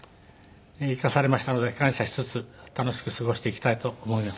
生かされましたので感謝しつつ楽しく過ごしていきたいと思います。